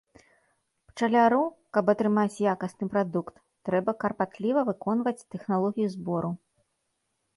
Пчаляру, каб атрымаць якасны прадукт, трэба карпатліва выконваць тэхналогію збору.